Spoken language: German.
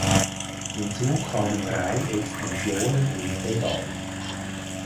Hinzu kommen drei Extensionen im Pedal.